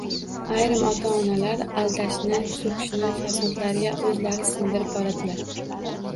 Ayrim ota-onalar aldashni, so‘kishni farzandlariga o‘zlari singdirib boradilar.